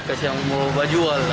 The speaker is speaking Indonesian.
kasihan mau bajual